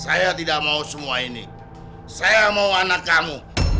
saya tidak mau semua ini saya mau anak kamu